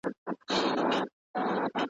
صدقه د ژوند په چارو کي اسانتیا راولي.